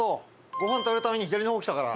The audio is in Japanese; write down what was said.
ごはん食べるために左の方来たから。